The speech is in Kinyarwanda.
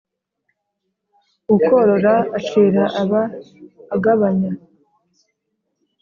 Ukorora acira aba agabanya.